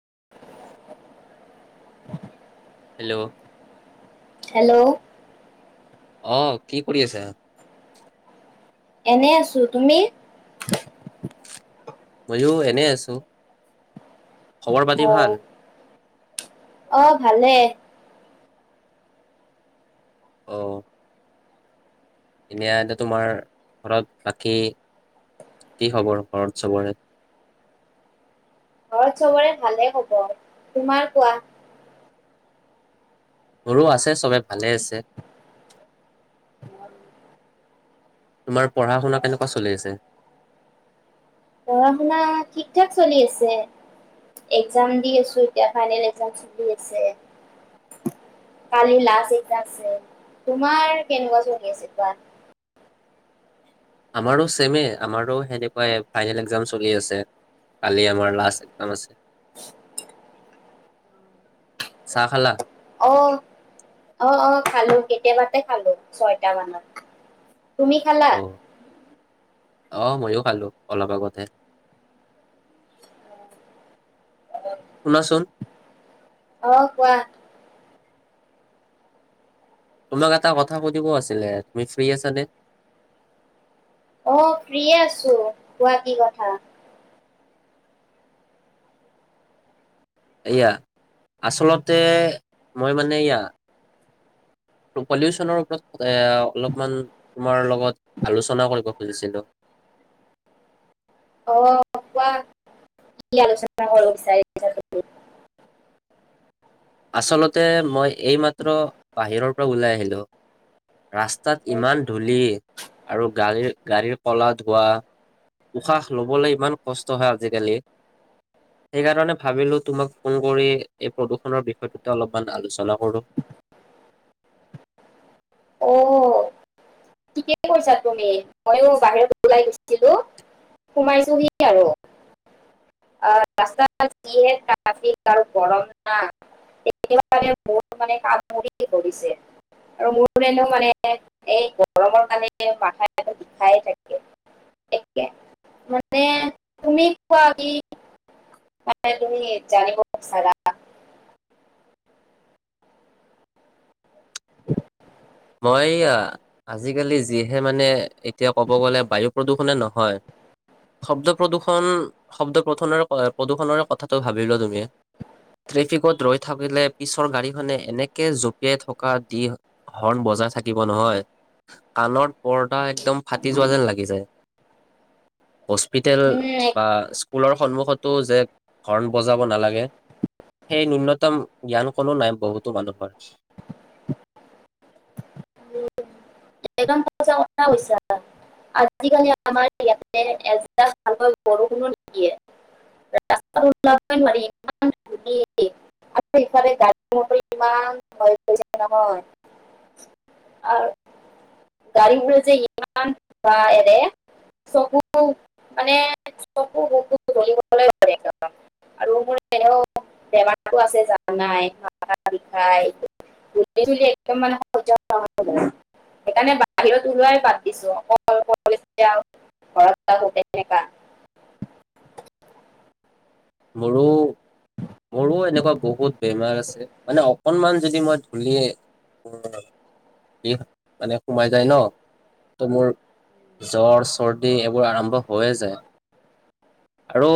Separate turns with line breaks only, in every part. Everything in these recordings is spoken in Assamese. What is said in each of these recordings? [inaudible]
হেল্ল',
হেল্ল',
অহ 'কি কৰি আছা।
এনে আছো তুমি?
ময়ো এনে আছো। খবৰ পাতি ভাল।
অহ ' ভালেই।
অহ ', এনে এ তোমাৰ ঘৰত বাকী কি খবৰ ঘৰত চবৰে।
ঘৰত সবৰে ভালে হব তোমাৰ কোৱা।
মোৰো আছে সবে ভালে আছে। তোমাৰ পঢ়া শুনা কেনেকুৱা চলি আছে।
পঢ়া শুনা ঠিক ঠাক চলি আছে। এক্সাম দি আছো এতিয়া ফাইনেল এক চলি আছে। কালি লাষ্ট এক্সাম আছে। তোমাৰ কেনেকুৱা চলি আছে কোৱা?
আমাৰো ছেমে আমাৰো সেনেকুৱাই ফাইনেল এক্জাম চলি আছে কালি আমাৰ লাষ্ট এক্সাম আছে।
উ [inaudible]
চাহ খালা।
অহ - অহ - অহ খালো কেতিয়াবাতে খালো ছয়ট মানত। তুমি খালা?
অহ ', ময়ো খালো অলপ আগতে। শুনাচোন
অহ ', কোৱা?
তোমাক এটা কথা সুধিব আছিলে তুমি ফ্ৰী আছানে।
অহ ', প্ৰিয়ে আছো কোৱা কি কথা।
এয়া আচলতে মই মানে এয়া পলিউচনৰ ওপৰত। ত' অলপমান তোমাৰ লগত আলোচনা কৰিব খুজিছিলো?
অ কোৱা কি আলোচনা কৰ বিচাৰিত তুমি।
আচলতে মই এইমাত্ৰ বাহিৰৰ পৰা ওলাই আহিলোঁ ৰাস্তাত ইমান ধূলি আৰু গাড়ীৰ গাড়ীৰ কলা ধোৱা উশাহ লবলৈ ইমান কষ্ট হয় আজিকালি সেইকাৰণে ভাবিলো তোমাক ফোন কৰি এই প্ৰদূষণৰ বিষয়ে। তে অলপমান আলোচনা কৰো
অ' কি কৈছা তুমি ময়ো বাহিৰত ওলাই গৈছিলো সোমাইছোহি আৰু ৰাস্তা যহে আৰু গৰম নে মোৰ মানে কাম মৰি কৰিছে আৰু মোৰনো মানে এই গৰমৰ কাৰণে মাথাৰ বিখাই থাকে মানে তুমি কোৱামি ম তুমি জানিব বিচাৰা
মইয়া আজিকালি যিহে মানে। এতিয়া ক'ব গ'লে বায়ু প্ৰদূষণে নহয় শব্দ প্ৰদূৰ্ষণ শব্দ প্ৰদূষণ প্ৰদূষণৰে কথাটো ভাবিলো তুমি ফিকত ৰৈ থাকিলে পিছৰ গাড়ীখনে এনেকে জঁপিয়াই থকা দি। হৰ্ণ বজাই থাকিব নহয় কালত। পৰদা একদম ফাটি যোৱা যেন লাগি যায়। হস্পিতেেল
উম,
বা স্কুলৰ সন্মুখত। যে হৰ্ণ বজাব নালাগে সেই নূন্যতম জ্ঞান কোনো নাই বহুতো মানুহৰ।
একদম সঁচা কথা কৈছা আজিকালি আমাৰ ইয়াতে ভালকৈ বৰষূণ নিদিয়ে ৰাস্তা ই ইফালে গা ইমানয় নহয়। গাড়ী বোৰে যে ইমানৰে চকু মানে চকু চকু গলিবলৈ ধৰে এক আৰু মোৰ এনেও বেমাৰটো আছে জ নাই বিষাই একদম। সেইকাৰণে বাহিৰত ওলাই বাদ দিছো অকল আৰু ঘৰত তেতিয়া
মোৰো। মোৰো এনেকুৱা বহুত বেমাৰ আছে মানে অকনমান যদি মই ধূলি মানে সোমাই যায় ন ত মোৰ জ্বৰ চৰ্দি এইবোৰ আৰম্ভ হৈয়ে যায় আৰু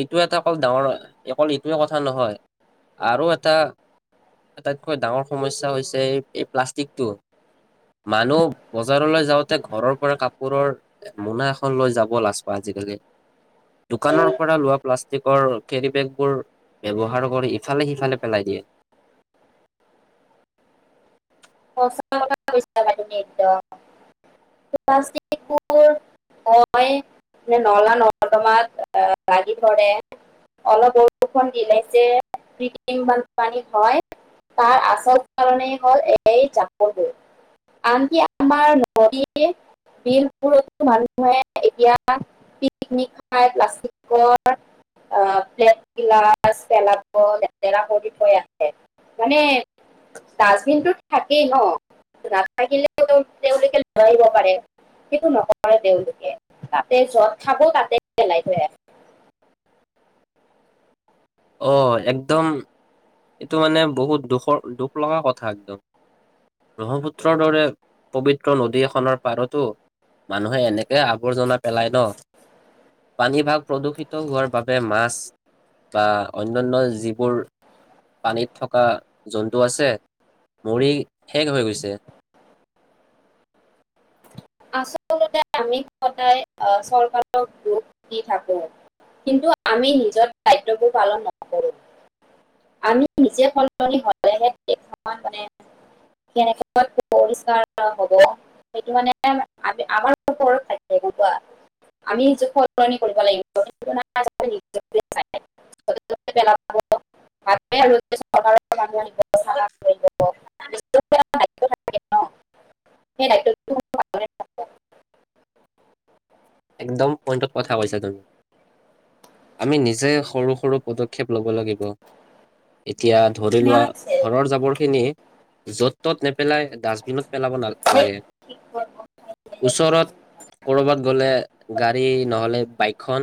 এইটো এটা। অকল ডাঙৰ অকল এইটোৱে কথা নহয় আৰু এটা আটাইতকৈ ডাঙৰ সমস্যা হৈছে এই এই প্লাষ্টিকটো মানুহ বজাৰলৈ যাওঁতে ঘৰৰ পৰা কাপোৰৰ মোনা এখন লৈ যাব লাজ আজিকালি। দোকানৰ পৰা লোৱা। প্লাষ্টিকৰ কেৰিবেগবোৰ ব্যৱহাৰ কৰি ইফালে সিফালে পেলাই দিয়ে।
সঁচা কথা কৈছা প্লাষ্টিক বোৰ নলা নৰ্দমাত লাগি ধৰে অলপ বৰষুণ দিলে যে কৃত্ৰিম বানপানী হয় তাৰ আচল কাৰণেই হল আনকি আমাৰ নদ বিলবোৰতো মানুহে এতিয়া পিকনিক খাই প্লাষ্টিকৰ প্ট গিলােলাব লেতেৰা কৰি থৈ আছে মানে ডাষ্টিনত। থাকেই ন নাথাকিলেও তেওঁলোকে লৰাব পাৰে সেইটো নকৰে তেওঁলোকে তাতে যত থাকো তাতে পেলাই থৈ আছে।
আহ একদম এইটো মানে বহুত দুখৰ দুখ লগা কথা একদম ব্ৰহ্মপুত্ৰৰ দৰে পবিত্ৰ নদী এখনৰ পাৰতো মানুহে এনেকে আৱৰ্জনা পেলায় ন পানীভাগ প্ৰদূষিত হোৱাৰ বাবে মাছ। বা অন্যানয় যিবোৰ পানীত থকা জন্তু আছে মৰি শেষ হৈ গৈছে।
আচলতে আমি সদায় চৰকাৰক দুখ দি থাকো কিন্তু আমি নিজৰ দায়িত্ববোৰ পালন নকৰো আমি নিজে সলনি হলেহে দেশখন মানে কেনেকে পৰিষ্কাৰ হব সেইটো মানে আমাৰ ওপৰত থাকে গম পোৱা আমি নিজে সলনি কৰিব লাগিব [unintelligible] সেই দায়িত্বটো [unintelligible]
একদম পইণ্টত কথা কৈছা তুমি আমি নিজে সৰু সৰু পদক্ষেপ ল'ব লাগিব। এতিয়া ধৰি লোৱা ঘৰৰ জাবৰ খিনি য'ত ত'ত নেপেলাই ডাষ্টবিনত পেলাব ন-লাগে ওচৰত কৰ'বাত গ'লে গাড়ী নহ'লে বাইকখন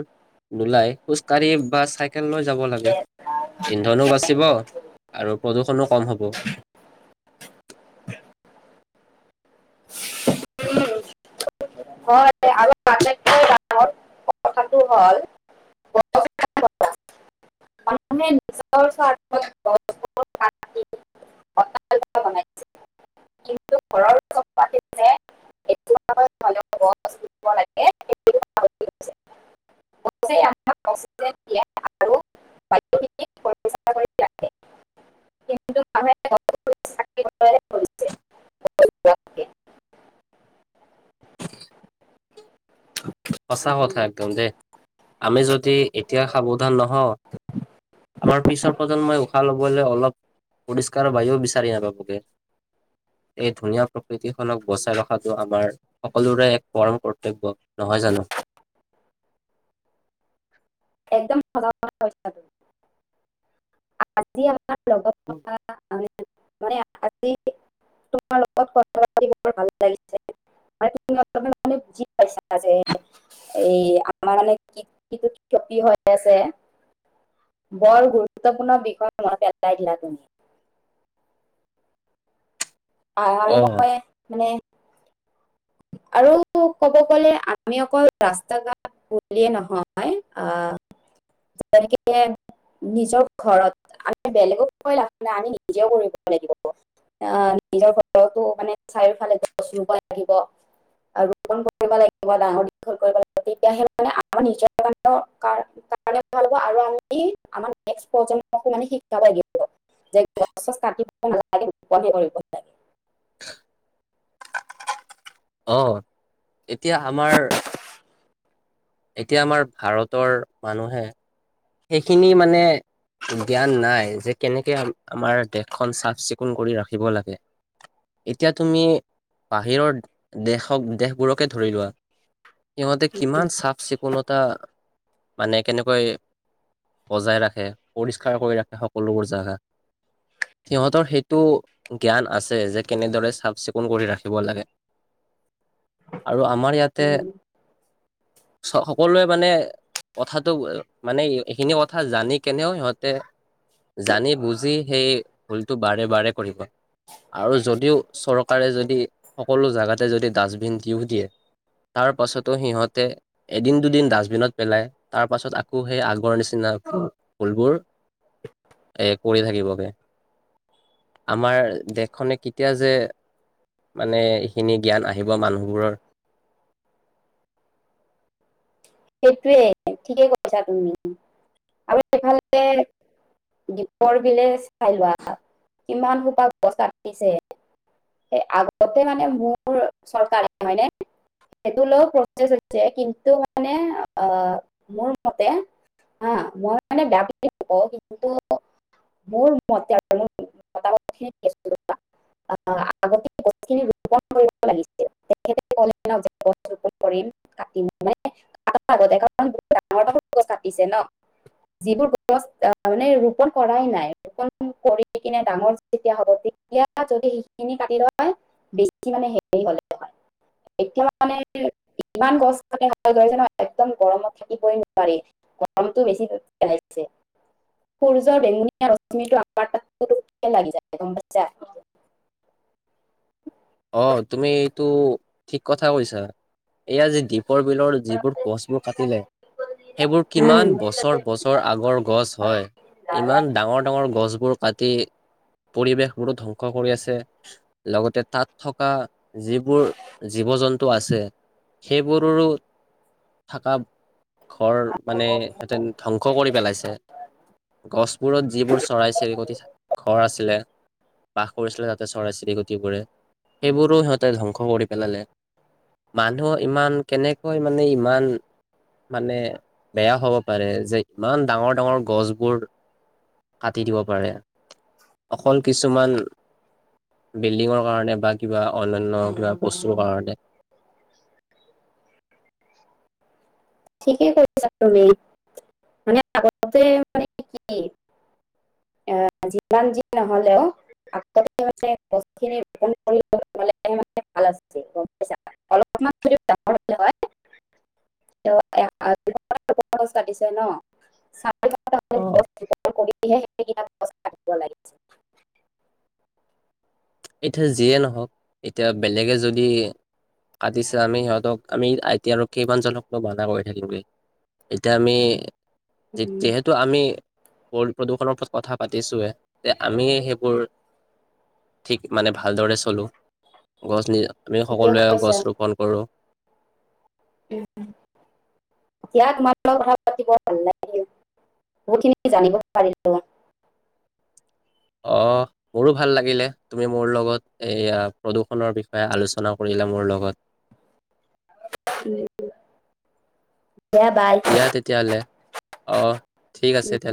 নোলাই খোজকাাঢ়ি বা চাইকেল লৈ যাব লাগে ইন্ধনো বাচিব আৰু প্ৰদূষণো কম হ'ব।
হয় আৰু আটাইতকৈ কথাটো হল। [unintelligible] [unintelligible] [unintelligible] [unintelligible]
সঁচা কথা একদম দেই আমি যদি এতিয়া সাৱধান নহওঁ আমাৰ পিছৰ প্ৰজন্মই উশাহ লবলৈ অলপ পৰিষ্কাৰৰ বায়ও বিচাৰি নাপাবগে এই ধুনীয়া প্ৰকৃতিখনক বচাই ৰখাটো আমাৰ সকলোৰে এক পৰম কৰ্তব্য। নহয় জানো।
একদম সঁচা কথা কৈছা। আঁ- আজি আমা ৰ লগত থকা মানে আজি তোমাৰ লগত কথা পাতি বৰ ভাল লাগিছে তুম অপ বুজি পাইছা যে এই আমাৰ মানে কি কি ক্ষতি হৈ আছে বৰ গুৰু গুৰত্বপূৰ্ণ বিষয় মনত পেলাই দিল তুমি। অ-আৰু
অ',
মই মানে আৰু কব গলে আমি অকল ৰাস্তা ঘাট বুলিয়ে নহয় আহ যেনেকে নিজৰ ঘৰত আমি বেলেগক আমি নিজেও কৰিব লাগিব আহ নিজৰ ঘৰতো মানে চাৰিওফালে গছ ৰুব লাগিব। আৰু ৰোপন কৰিব লাগিব ডাঙৰ দীঘল কৰিব লাগিব তেতিয়াহে মানে আমাৰ নিজৰ [unintelligible] কাৰণে ভাল হব আৰু আমি আমাৰ নেক্সট প্ৰজন্মকে শিকাব লাগিব যে গছ- চছ কাটিব নালাগে ৰোপণ হে কৰিব লগে।
অ', এতিয়া আমাৰ
[unintelligible]
এতিয়া আমাৰ ভাৰতৰ মানুহে সেইখিনি মানে জ্ঞান নাই যে কেনেকে আমাৰ দেশখন চাফ চিকুণ কৰি ৰাখিব লাগে এতিয়া তুমি বাহিৰৰ দেশক দেশবোৰকে ধৰি লোৱা সিহঁতে কিমান চাফ চিকুণতা মানে কেনেকৈ বজাই ৰাখে পৰিষ্কাৰ কৰি ৰাখে সকলোবোৰ জাগা সিহঁতৰ সেইটো জ্ঞান আছে যে কেনেদৰে চাফ চিকুণ কৰি ৰাখিব। আৰু আমাৰ ইয়াতে,
সেইটোৱে
সকলোৱে মানে কথাটো মানে এইখিনি কথা জানি কেনেও সিহঁতে জানি বুজি সেই ভুলটো বাৰে বাৰে কৰিব আৰু যদিও চৰকাৰে যদি সকলো জোগাতে যদি ডাষ্টবিন দিওঁ দিয়ে তাৰ পাছতো সিহঁতে এদিন দুদিন ডাষ্টবিনত পেলাই ত আকৌ সেই আগৰ নিচিনা ফুল ফুলবোৰ এ কৰি থাকিবগে আমাৰ দেশ খনে কেতিয়া যে মানে এইখিনি জ্ঞান আহিব মানুহবোৰৰ।
সোৱ ঠিকে কৈছা তুমি আৰু এইফালে দিপৰবিলই চাই লোৱা কিমান সোপা গছ কাটিছে সেই আগতে মানে মোৰ চৰকাৰসেইটো লও প্ৰচেছ হৈছে কিন্তু মানে অ', মোৰ মতে হ মই মানে বেয়া বুলি নকওঁ কিন্তু মোৰ মতে [unintelligible] আগতে গছখিনি ৰোপন কৰিব লাগিছিল [unintelligible] কৰিম কটিম হয়নে। কাৰ বু ডাঙৰ ডাঙৰ গছ কাটিছে ন যিবোৰ গছ আহ মানে তাৰ তাৰ আগতে এখন ডাঙৰ গছ কাটিছে ন যিবোৰ গছ মনে ৰোপন কৰাই নাই ৰোপন কৰি কিনে ডাঙৰ যেতিয়া হব তেতিয়া যদি সেইখিনি কাটি ল হয় বেছি মানে হে হলে হয় এতিয়া মানে ইমান গছ একদম গৰমত থাকিবই নোৱাৰি গৰমটো বেছি পেলাইছে সূৰ্যৰ বেঙুনীয়া ৰশ্মিটোৰ আমাৰ তাত পুটোকে লাগি যায় গম পইছা। [unintelligible]
অ তুমি এইটো ঠিক কথা কৈছা এইয়া যি আজি দিপ কাকৰ বিলৰ যিবোৰ গছবোৰ কাটিলে সেইবোৰ কিমান
উম,
বছৰ বছৰ আগৰ গছ হয় ইমান ডাঙৰ ডাঙৰ গছবোৰ তাতে পৰিৱেশ বোৰো ধ্বংস কৰি আছে লগতে তাত থকা যিবোৰ জীৱ জন্তু আছে সেই গৰুৰো থকা ঘৰ মানে হেঁতেনে ধ্বংস কৰি পেলাইছে গছবোৰত যিবোৰ চৰাই চিৰিকটি ঘৰ আছিলে বাস কৰিছিলে তাতে চৰাই চিৰিকটিবোৰে সেইবোৰো সিহঁতে ধ্বংস কৰি পেলালে মানুহ ইমান কেনেকৈ মানে ইমান মানে বেয়া হব পাৰে যে ইমান ডাঙৰ ডাঙৰ গছবোৰ কাটি দিব পাৰে অকল কিছুমান বিল্ডিঙৰ কাৰণে বা কিবা অনান্য কিবা বস্তুৰ কাৰণে
ঠিকেই কৰিছা [unintelligible] কাটিছে ন [unintelligible]
অ
[unintelligible]
এতিয়া যিয়ে নহওক এতিয়া বেলেগে যদি কাটিছে, আমি সিহঁতক আমি এতিয়া আৰু কিমানজনক মানা কৰি থাকিমগৈ। এতিয়া আমি
উম,
যিহেতু আমি হ'ল্ড প্ৰদূষণৰ ওপ কথা পাতিছোৱে। যে আমি সেইবোৰ ঠিক মানে ভালদৰে চলো। গছ আমি
ঠিকে
সকলোৱে
কৈছা
গছ ৰোপন কৰো।
উম। দিয়া তোমাৰ লগত কথা পাতি বৰ ভাল লাগিল। বহুতখিনি জানিব পাৰিলো।
অ মোৰো ভাল লাগিলে। তুমি মোৰ লগত এইয়া প্ৰদূৰ্ষণৰ বিষয়ে আলোচনা কৰিলা, মোৰ লগত।
উম। অ' দিয়া বাই।
অহ ঠিক আছে তেতিয়াহলে।